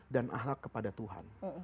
dan ahlak kepada tuhan